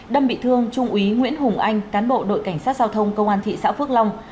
đâm bị thương trung úy nguyễn hùng anh cán bộ đội cảnh sát giao thông công an thị xã phước long